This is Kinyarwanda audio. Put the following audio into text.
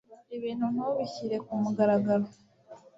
ibintu ntubishyire ku mugaragaro